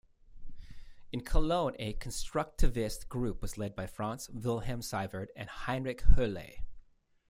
In Cologne, a constructivist group was led by Franz Wilhelm Seiwert and Heinrich Hoerle.